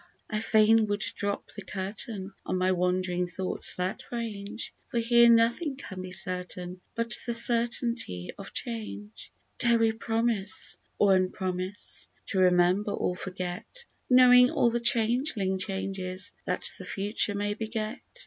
I fain would drop the curtain on my wand'ring thoughts that range, For here nothing can be certain but the certainty of change j Dare we promise, or un promise, to remember or forget, Knowing all the changeling changes that the Future may beget